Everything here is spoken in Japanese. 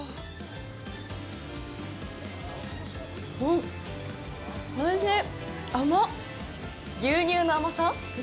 うん、おいしい！